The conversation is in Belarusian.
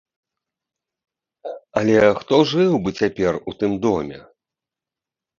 Але хто жыў бы цяпер у тым доме?